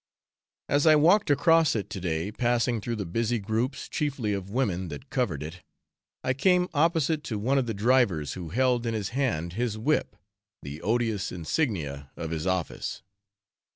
As I walked across it to day, passing through the busy groups, chiefly of women, that covered it, I came opposite to one of the drivers, who held in his hand his whip, the odious insignia of his office.